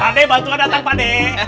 pak d bantuan datang pak d